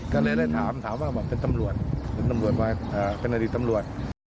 ก็เลยได้ถามถามว่าบอกเป็นตำรวจเป็นตำรวจเป็นอดีตตำรวจ